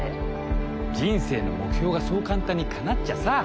人生の目標がそう簡単にかなっちゃさ。